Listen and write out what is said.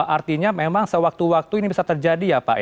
artinya memang sewaktu waktu ini bisa terjadi ya pak